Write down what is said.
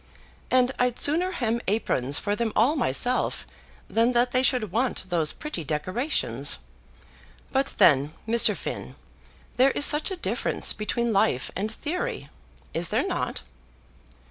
And I'd sooner hem aprons for them all myself than that they should want those pretty decorations. But then, Mr. Finn, there is such a difference between life and theory; is there not?"